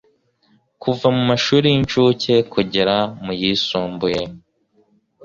kuva mu mashuri y'incuke kugera mu yisumbuye,